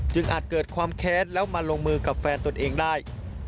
อาจเกิดความแค้นแล้วมาลงมือกับแฟนตนเองได้